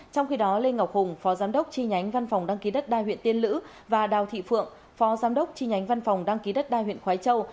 trong khi đó lê ngọc hùng phó giám đốc chi nhánh văn phòng đăng ký đất đai huyện tiên lữ và đào thị phượng phó giám đốc chi nhánh văn phòng đăng ký đất đai huyện khói châu